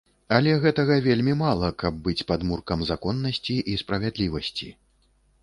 Але гэтага вельмі мала, каб быць падмуркам законнасці і справядлівасці.